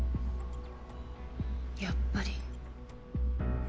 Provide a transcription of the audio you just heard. やっぱり。